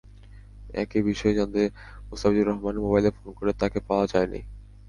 একই বিষয়ে জানতে মোস্তাফিজুর রহমানের মোবাইলে ফোন করে তাঁকে পাওয়া যায়নি।